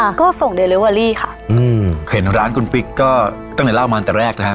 ค่ะก็ส่งค่ะอืมเห็นร้านคุณปิ๊กก็ตั้งแต่ลาวมาแต่แรกนะฮะ